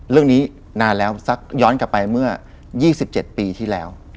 นานแล้วสักย้อนกลับไปเมื่อ๒๗ปีที่แล้ว